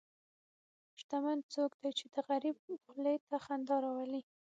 شتمن څوک دی چې د غریب خولې ته خندا راولي.